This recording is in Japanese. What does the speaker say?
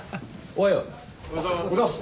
おはようございます。